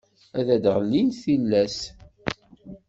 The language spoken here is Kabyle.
Ad d-ɣellint tillas.